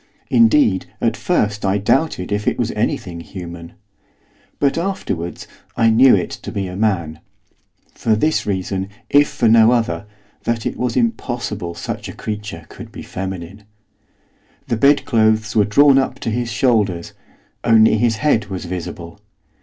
Indeed at first I doubted if it was anything human. But, afterwards, I knew it to be a man, for this reason, if for no other, that it was impossible such a creature could be feminine. The bedclothes were drawn up to his shoulders; only his head was visible.